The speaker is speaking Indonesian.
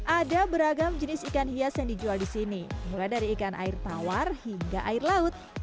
ada beragam jenis ikan hias yang dijual di sini mulai dari ikan air tawar hingga air laut